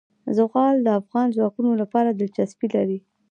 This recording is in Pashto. زغال د افغان ځوانانو لپاره دلچسپي لري.